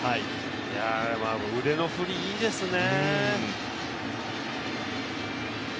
いや、腕の振りいいですね。